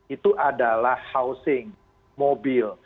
itu adalah housing mobil